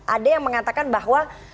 ada yang mengatakan bahwa